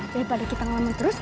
daripada kita ngelaman terus